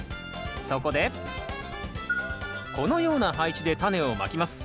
そこでこのような配置でタネをまきます。